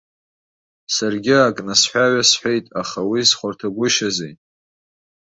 Саргьы ак насҳәа-ҩасҳәеит, аха уи зхәарҭагәышьазеи.